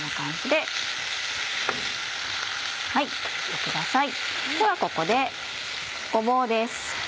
ではここでごぼうです。